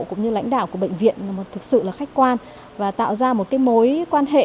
cũng như lãnh đạo của bệnh viện thực sự là khách quan và tạo ra một mối quan hệ